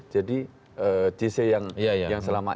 jadi jese yang selamat